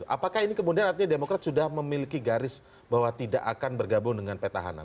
apakah ini kemudian artinya demokrat sudah memiliki garis bahwa tidak akan bergabung dengan petahana